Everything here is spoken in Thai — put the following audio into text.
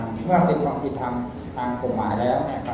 เมื่อมีความผิดทางทางกลุ่มหมายแล้วเนี่ยครับ